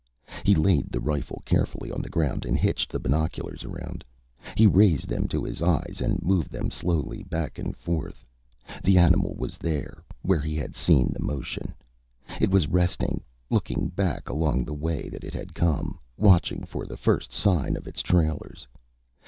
He laid the rifle carefully on the ground and hitched the binoculars around. He raised them to his eyes and moved them slowly back and forth. The animal was there where he had seen the motion. It was resting, looking back along the way that it had come, watching for the first sign of its trailers.